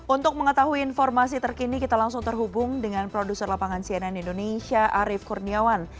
untuk mengetahui informasi terkini kita langsung terhubung dengan produser lapangan cnn indonesia arief kurniawan